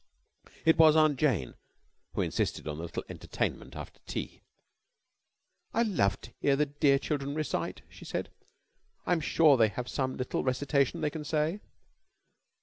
It was Aunt Jane who insisted on the little entertainment after tea. "I love to hear the dear children recite," she said. "I'm sure they all have some little recitation they can say."